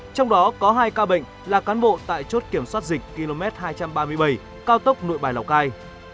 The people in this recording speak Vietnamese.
trong đó có hai ca bệnh là cán bộ tại chốt kiểm soát dịch km hai trăm ba mươi bảy cao tốc nội bài lào cai